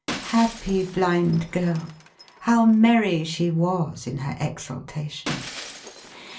Happy Blind Girl! How merry she was, in her exultation!